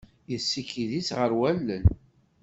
Yessikid-itt ɣer wallen.